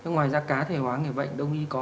ngoài ra cá thể hóa người bệnh đông y có